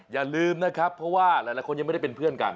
อย่าลืมนะครับเพราะว่าหลายคนยังไม่ได้เป็นเพื่อนกัน